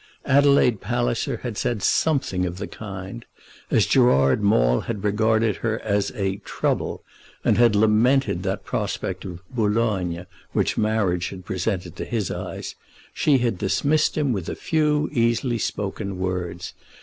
Adelaide Palliser had said something of the kind. As Gerard Maule had regarded her as a "trouble," and had lamented that prospect of "Boulogne" which marriage had presented to his eyes, she had dismissed him with a few easily spoken words.